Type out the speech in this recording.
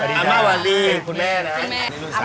อันดับใหญ่กว่านี่คือน้องแอลล์ค่ะ